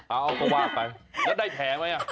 เอาก็ว่าไปแล้วได้แผงไหม